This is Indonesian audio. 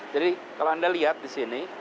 jadi kalau anda lihat di sini